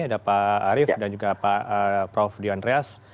ada pak arief dan juga pak prof dian rias